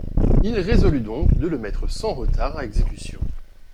Il résolut donc de le mettre sans retard à exécution.